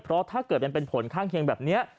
เพราะถ้าเกิดมันเป็นผลข้างเคียงแบบนี้